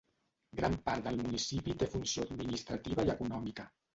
Gran part del municipi té funció administrativa i econòmica.